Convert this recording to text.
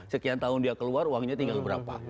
sekian tahun dia keluar uangnya tinggal berapa